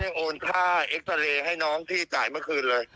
โอนค่าเอ็กซาเรย์ให้น้องที่จ่ายเมื่อคืนเลย